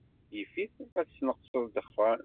Yif-it ma tesneqseḍ ddexxan.